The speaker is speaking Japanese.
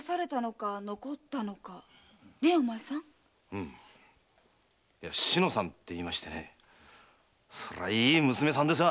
うん志乃さんといいましてそれはいい娘さんでさ。